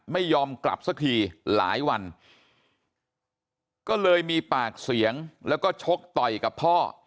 ไม่ยอมกลับสักทีหลายวันก็เลยมีปากเสียงแล้วก็ชกต่อยกับพ่อ